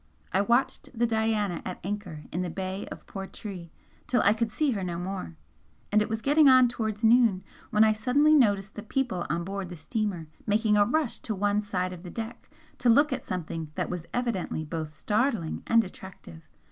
I watched the 'Diana' at anchor in the bay of Portree till I could see her no more, and it was getting on towards noon when I suddenly noticed the people on board the steamer making a rush to one side of the deck to look at something that was evidently both startling and attractive.